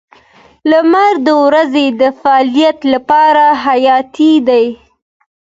• لمر د ورځې د فعالیت لپاره حیاتي دی.